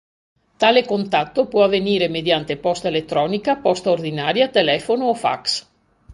Tale contatto può avvenire mediante posta elettronica, posta ordinaria, telefono o fax.